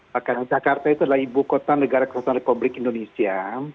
bahkan jakarta itu adalah ibu kota negara kesatuan republik indonesia